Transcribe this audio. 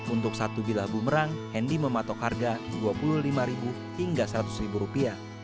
untuk satu bilah bumerang hendy mematok harga rp dua puluh lima hingga rp seratus